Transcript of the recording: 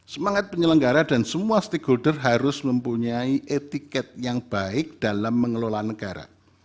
semangat penyelenggara dan semua stakeholder harus mempunyai etiket yang baik dalam mengelola negara